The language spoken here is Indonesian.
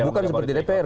bukan seperti di dpr